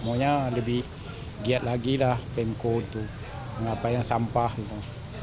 maunya lebih giat lagi lah pengkode itu mengapa yang sampah gitu